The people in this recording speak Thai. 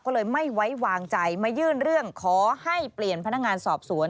ก็เลยไม่ไว้วางใจมายื่นเรื่องขอให้เปลี่ยนพนักงานสอบสวน